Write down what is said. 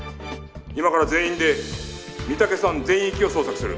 今から全員で御岳山全域を捜索する。